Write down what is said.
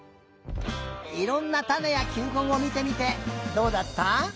いろんなたねやきゅうこんをみてみてどうだった？